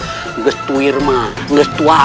iroh mau siap siap dulu mau dandan biar rapi